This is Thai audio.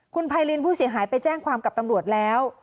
คุณไพรินผู้เสียหายไปแจ้งความกับตำรวจแล้ว